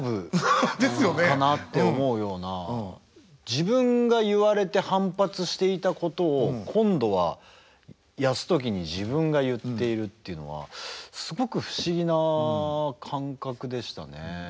自分が言われて反発していたことを今度は泰時に自分が言っているっていうのはすごく不思議な感覚でしたね。